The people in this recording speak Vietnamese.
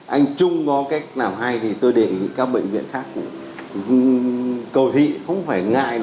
anh trung có cách làm hay thì tôi đề nghị các bệnh viện khác cầu thị không phải ngại